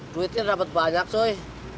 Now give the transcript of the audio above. duitnya dapat banyak cuy